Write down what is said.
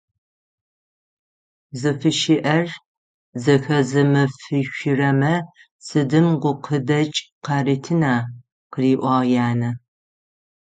«Зыфыщыӏэр зэхэзымыфышъурэмэ сыдым гукъыдэчъ къаритына?»,- къыриӏуагъ янэ.